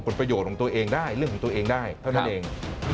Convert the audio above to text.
ประโยชน์ของตัวเองได้เรื่องของตัวเองได้เท่านั้นเอง